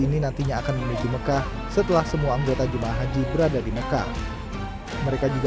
ini nantinya akan menuju mekah setelah semua anggota jemaah haji berada di mekah mereka juga